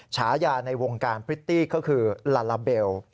ฉายาในวงการพริตตี้ก็คือลาลาเบล